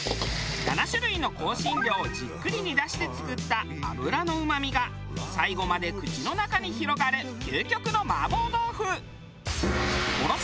７種類の香辛料をじっくり煮出して作った油のうまみが最後まで口の中に広がる究極の麻婆豆腐。